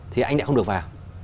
thì anh lại không được vào